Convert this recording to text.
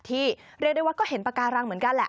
เรียกได้ว่าก็เห็นปากการังเหมือนกันแหละ